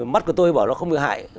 mắt của tôi bảo nó không được hại